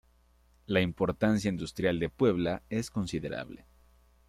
La importancia industrial de Puebla es considerable.